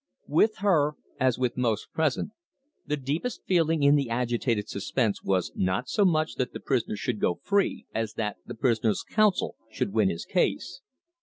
With her as with most present, the deepest feeling in the agitated suspense was not so much that the prisoner should go free, as that the prisoner's counsel should win his case.